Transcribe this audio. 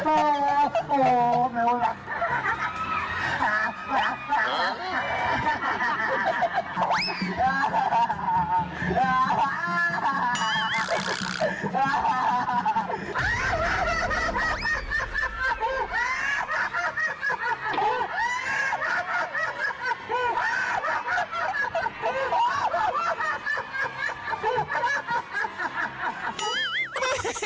โอ้โหไม่รู้หรอก